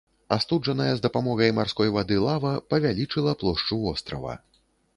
Астуджаная з дапамогай марской вады лава павялічыла плошчу вострава.